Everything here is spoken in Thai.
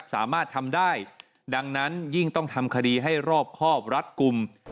สามารถทำได้ดังนั้นยิ่งต้องทำคดีให้รอบครอบรัดกลุ่ม